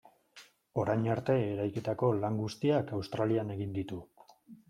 Orain arte eraikitako lan guztiak Australian egin ditu.